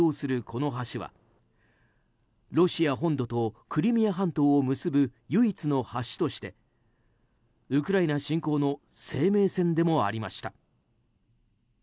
この橋はロシア本土とクリミア半島を結ぶ唯一の橋としてウクライナ侵攻の生命線でもありました。